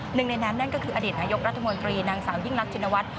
หนึ่งในนั้นนั่นก็คืออดีตนายกรัฐมนตรีนางสาวยิ่งรักชินวัฒน